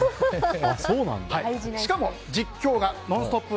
しかも実況が「ノンストップ！」